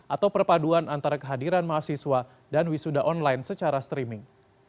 atau perpaduan antara kehadiran mahasiswa dan wisuda online secara streaming